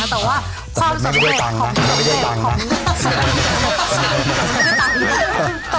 แต่ว่าความสำเร็จไม่ได้ด้วยตังค่ะ